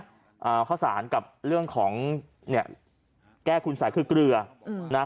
อ่าข้าวสารกับเรื่องของเนี่ยแก้คุณสัยคือเกลืออืมนะฮะ